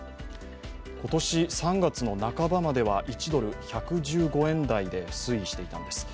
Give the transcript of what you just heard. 今年３月の半ばまでは１＝１１５円台で進んでいたんです。